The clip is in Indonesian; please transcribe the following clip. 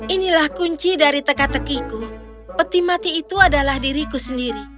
inilah kunci dari teka tekiku peti mati itu adalah diriku sendiri